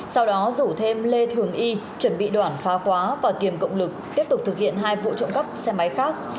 sau đó rủ thêm lê thường y chuẩn bị đoạn phá khóa và kiềm cộng lực tiếp tục thực hiện hai vụ trộm cắp xe máy khác